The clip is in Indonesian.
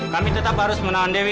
kami tetap harus menahan dewi